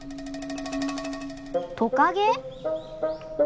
トカゲ？